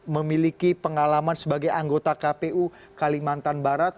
memiliki pengalaman sebagai anggota kpu kalimantan barat